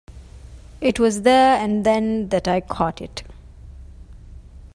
It was there-and-then that I caught it.